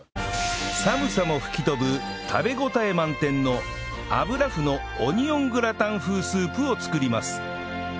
寒さも吹き飛ぶ食べ応え満点の油麩のオニオングラタン風スープを作ります